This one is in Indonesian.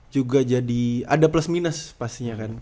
juga jadi ada plus minus pastinya kan